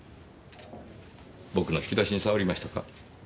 僕の引き出しに触りましたか？